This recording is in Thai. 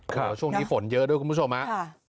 ค่ะช่วงนี้ฝนเยอะด้วยคุณผู้ชมนะค่ะ